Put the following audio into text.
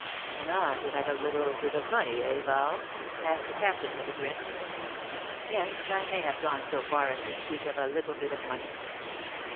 "An aunt who had a little bit of money, eh, Val?" asked the Captain, with a grin. "Yes. I may have gone so far as to speak of a little bit of money."